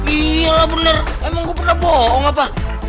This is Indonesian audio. iya lah bener emang gue pernah bohong apa